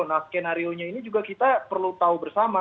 nah skenario nya ini juga kita perlu tahu bersama